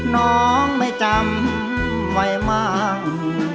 น้องไม่จำไว้มั่ง